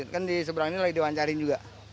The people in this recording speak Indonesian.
kan di seberang ini lagi diwancarin juga